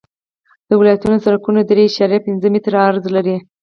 د ولایتونو سرکونه درې اعشاریه پنځه متره عرض لري